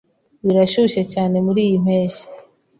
Birashyushye cyane muriyi mpeshyi.